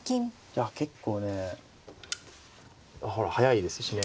いや結構ねほら速いですしね。